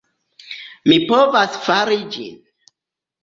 Mi povas fari ĝin.